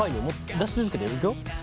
出し続けていくよ。